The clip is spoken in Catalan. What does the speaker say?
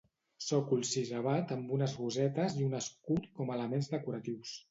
Sòcol sisavat amb unes rosetes i un escut com a elements decoratius.